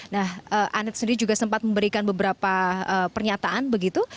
nah anet sendiri juga sempat memberikan beberapa pernyataan begitu